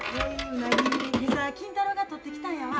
今朝金太郎が取ってきたんやわ。